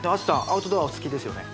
アウトドアお好きですよね